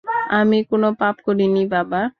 আমি কোন পাপ করিনি, বাবা।